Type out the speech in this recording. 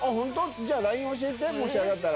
じゃあ、ＬＩＮＥ教えて、もし、あれだったら。